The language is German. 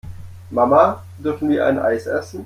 Mama, dürfen wir ein Eis essen?